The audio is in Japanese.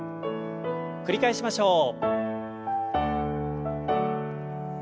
繰り返しましょう。